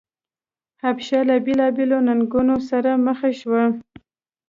حبشه له بېلابېلو ننګونو سره مخ شوه.